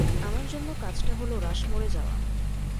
আমার জন্য কাজটা হল রাশমোরে যাওয়া।